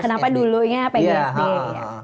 kenapa dulu ya pg sd